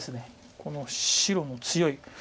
この白の強い。